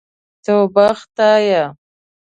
توبه خدايه.